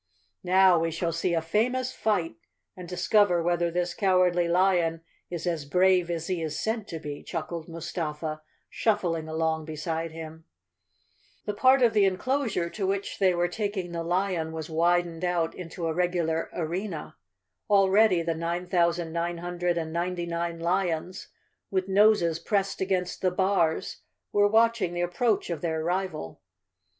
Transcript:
"Now we shall see a famous fight, and discover whether this Cowardly Lion is as brave as he is said to be," chuckled Mustafa, shuffling along beside him. The part of the enclosure to which they were taking the lion 273 The Cowardly Lion of Oz _ was widened out into a regular arena. Already the nine thousand nine hundred and ninety nine lions, with noses pressed against the bars, were watching the ap¬ proach of their rival.